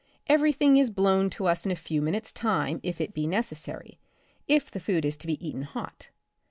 Every thing is blown to us in a few minutes' time, if it be necessary, if the food is to be eaten hot.